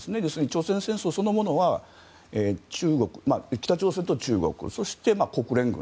朝鮮戦争そのものは北朝鮮と中国そして、国連軍。